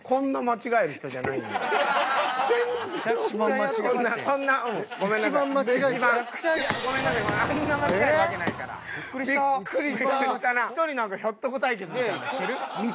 １人なんかひょっとこ対決みたいなのしてる？